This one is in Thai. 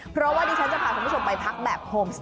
เพราะว่าดิฉันจะพาคุณผู้ชมไปพักแบบโฮมส์